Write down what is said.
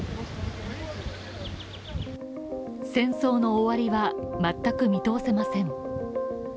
戦争の終わりはまったく見通せません。